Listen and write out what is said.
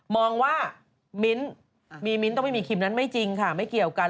มองว่ามิ้นมีมิ้นท์ต้องไม่มีคิมนั้นไม่จริงค่ะไม่เกี่ยวกัน